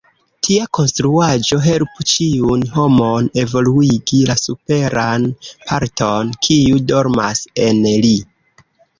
Tia konstruaĵo helpu ĉiun homon evoluigi la superan parton, kiu dormas en li.